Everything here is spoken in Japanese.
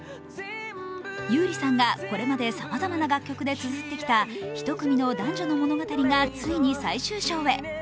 優里さんがこれまでさまざまな楽曲でつづってきた１組の男女の物語がついに最終章へ。